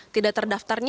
tidak terdaftar juga